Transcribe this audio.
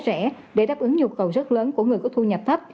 thuê nhà ở giá rẻ để đáp ứng nhu cầu rất lớn của người có thu nhập thấp